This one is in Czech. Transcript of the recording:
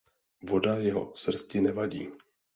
Voda jeho srsti nevadí.